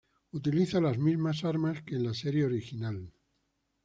Utiliza las mismas armas que en la serie original.